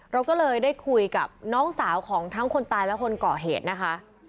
เราก็เลยได้คุยกับน้องสาวของทั้งคนตายและคนก่อเหตุนะคะ